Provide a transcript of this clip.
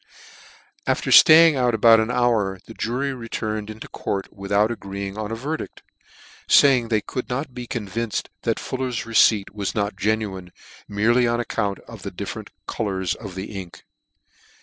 After flaying out about an hour, the jury re turned into court without agreeing on a verdict, faying they could not be convinced that Fuller's receipt was not genuine, merely on account of the different colours of the ink.